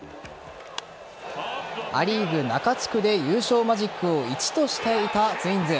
ア・リーグ中地区で優勝マジックを１としていたツインズ。